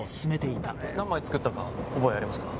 何枚作ったか覚えありますか？